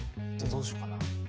どうしようかな。